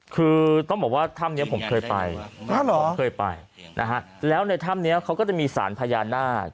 คือต้องบอกว่าถ้ำนี้ผมเคยไปผมเคยไปนะฮะแล้วในถ้ำนี้เขาก็จะมีสารพญานาค